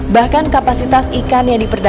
bahkan kapasitas ikan yang diperlukan